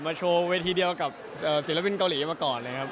โชว์เวทีเดียวกับศิลปินเกาหลีมาก่อนเลยครับ